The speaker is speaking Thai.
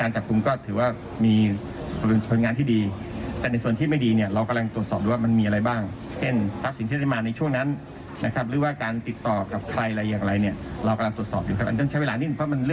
เช่นทรัพย์ที่ได้มาในช่วงนั้นหรือว่าการติดต่อกับใครอะไรอย่างไร